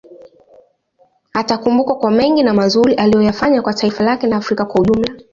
Atakumbukwa kwa mengi na mazuri aliyoyafanya kwa taifa lake na Afrika kwa ujumla